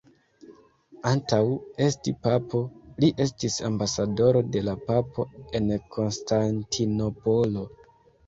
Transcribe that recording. Antaŭ esti papo, li estis ambasadoro de la papo en Konstantinopolo.